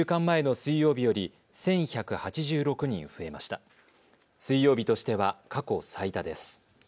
水曜日としては過去最多です。